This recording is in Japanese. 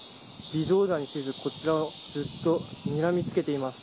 微動だにせず、こちらをずっとにらみつけています。